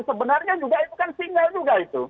sebenarnya juga itu kan single juga itu